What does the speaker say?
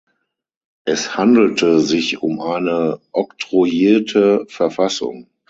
Es handelte sich um eine Oktroyierte Verfassung.